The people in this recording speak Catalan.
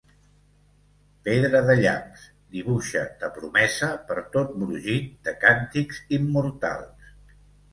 Pedra de llamps, dibuixa ta promesa per tot brogit de càntics immortals.